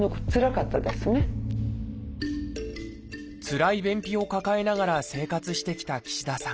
つらい便秘を抱えながら生活してきた岸田さん。